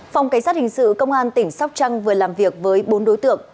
phòng cảnh sát hình sự công an tỉnh sóc trăng vừa làm việc với bốn đối tượng